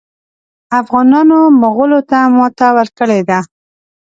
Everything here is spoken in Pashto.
افغانانو مغولو ته ماته ورکړې ده.